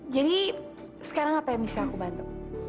jadi sekarang apa yang bisa aku bantu